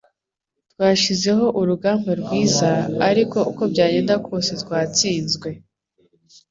Twashyizeho urugamba rwiza, ariko uko byagenda kose twatsinzwe.